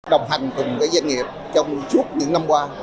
đồng hành cùng với doanh nghiệp trong suốt những năm qua